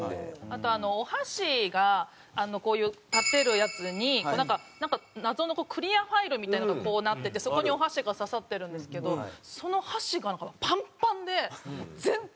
あとあのお箸がこういう立てるやつになんか謎のクリアファイルみたいなのがこうなっててそこにお箸がささってるんですけどその箸がなんかパンパンで全然取れないんですよ箸が。